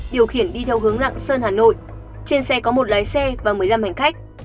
điều khiển đi theo hướng lạng sơn hà nội trên xe có một lái xe và một mươi năm hành khách